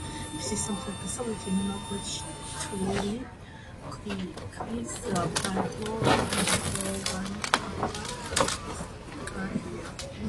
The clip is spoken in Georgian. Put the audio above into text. მის სამხრეთ-დასავლეთ მონაკვეთში თლილი ქვის ფართო თაღოვანი ალაყაფის კარია.